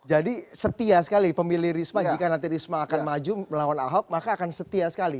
jadi setia sekali pemilih risma jika nanti risma akan maju melawan ahok maka akan setia sekali